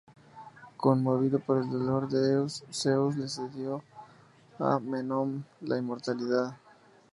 Conmovido por el dolor de Eos, Zeus le concedió a Memnón la inmortalidad.